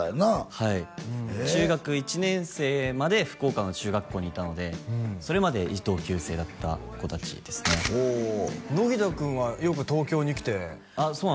はい中学１年生まで福岡の中学校にいたのでそれまで同級生だった子達ですねおお野北くんはよく東京に来てあっそうなんですよ